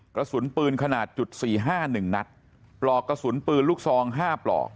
กระสุนปืนขนาดจุดสี่ห้าหนึ่งนัดปลอกกระสุนปืนลูกซองห้าปลอก